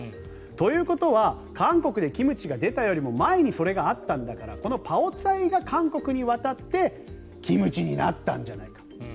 ということは韓国でキムチが出たよりも前にそれがあったんだからこのパオツァイが韓国に渡ってキムチになったんじゃないか。